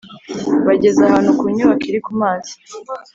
bageze ahantu ku nyubako iri kumazi